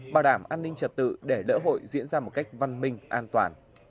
bảo đảm an ninh trật tự để lễ hội diễn ra một cách văn minh an toàn